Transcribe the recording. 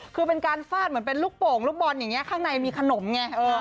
คือเป็นการฟาดเหมือนเป็นลูกโป่งลูกบอลอย่างนี้ข้างในมีขนมไง